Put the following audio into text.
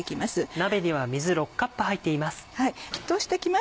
鍋には水６カップ入っています。